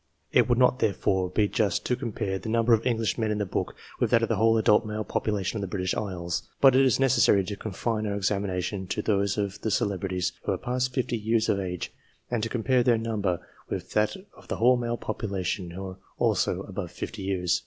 It would not, therefore, be just to compare the numbers of Englishmen in the book with that of the whole adult male population of the British isles ; but it is neces sary to confine our examination to those of the celebrities who are past fifty years of age, and to compare their number with that of the whole male population who are also above fifty years.